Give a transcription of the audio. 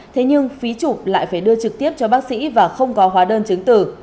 thế nhưng phí chụp lại phải đưa trực tiếp cho bác sĩ và không có hóa đơn chứng tử